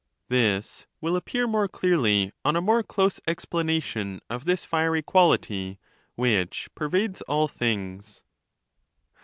This will appear more clearly on a more close ex planation of this fiery quality, which pervades all things.